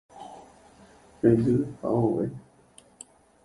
Hendy ha ogue